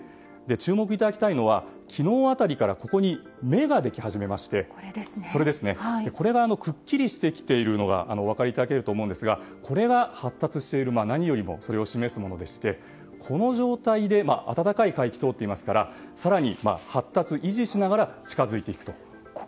注目いただきたいのは昨日辺りから目ができ始めましてこれがくっきりしてきているのがお分かりいただけると思いますがこれが発達していることを何よりもそれを示すものでしてこの状態で温かい海域を通っていますから更に発達、維持しながら近づいていく予想です。